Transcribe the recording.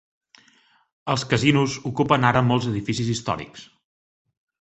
Els casinos ocupen ara molts edificis històrics.